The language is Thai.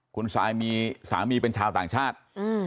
คุณซายมีสามีเป็นชาวต่างชาติ